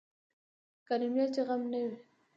کرميه چې غم نه وي.